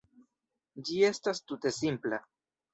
Ĝi estas tute simpla.